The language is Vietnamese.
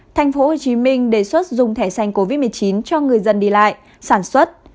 tp hcm đề xuất dùng thẻ xanh covid một mươi chín cho người dân đi lại sản xuất